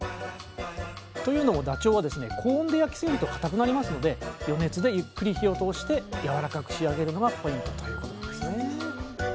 というのもダチョウは高温で焼きすぎるとかたくなりますので余熱でゆっくり火を通してやわらかく仕上げるのがポイントということなんですね